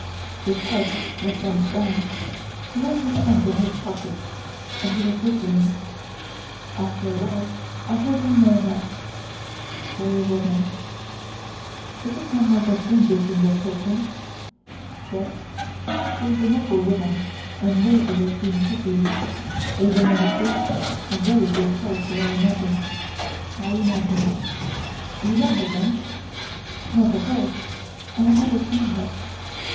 His head was bent down, he had his hands in his pockets, and he was whistling. After a while I heard him murmur: "Poor woman!" "Is it Mademoiselle Stangerson you are pitying?" "Yes; she's a noble woman and worthy of being pitied! a woman of a great, a very great character I imagine I imagine." "You know her then?" "Not at all. I have never seen her."